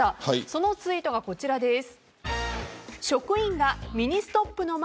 そのツイートがこちらです。